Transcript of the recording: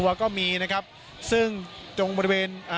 แล้วก็ยังมีมวลชนบางส่วนนะครับตอนนี้ก็ได้ทยอยกลับบ้านด้วยรถจักรยานยนต์ก็มีนะครับ